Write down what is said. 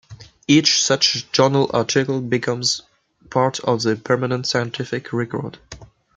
Each such journal article becomes part of the permanent scientific record.